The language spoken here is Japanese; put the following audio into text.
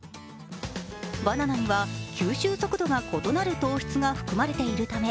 バナナには吸収速度が異なる糖質が含まれているため。